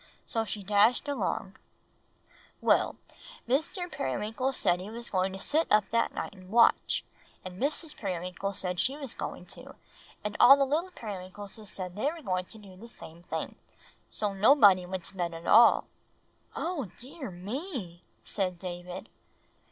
So she dashed along, "Well, Mr. Periwinkle said he was going to sit up that night and watch, and Mrs. Periwinkle said she was going to, and all the little Periwinkleses said they were going to do the same thing. So nobody went to bed at all." "Oh, dear me!" said David.